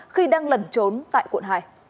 khi đang lẩn trốn tại quận hai